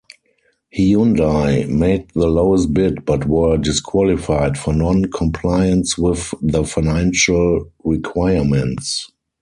Hyundai made the lowest bid but were disqualified for non-compliance with the financial requirements.